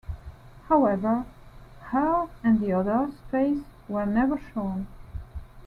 However, her and the others' faces were never shown.